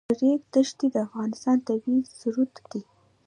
د ریګ دښتې د افغانستان طبعي ثروت دی.